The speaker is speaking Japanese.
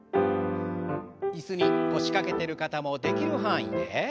椅子に腰掛けてる方もできる範囲で。